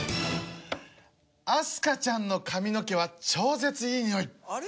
明日香ちゃんの髪の毛は超絶いい匂い。